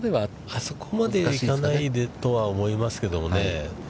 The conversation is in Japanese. あそこまで行かないとは思いますけどもね。